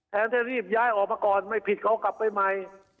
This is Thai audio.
แทนที่รีบย้ายออกมาก่อนไม่ผิดเขากลับไปใหม่